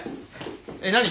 えっ？